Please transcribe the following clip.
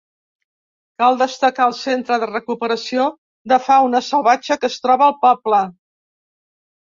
Cal destacar el centre de recuperació de fauna salvatge que es troba al poble.